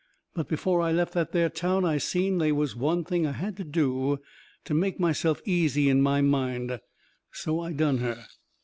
But before I left that there town I seen they was one thing I had to do to make myself easy in my mind. So I done her.